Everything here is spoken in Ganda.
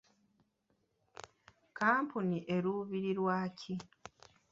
Kampuni eruubirirwa ki?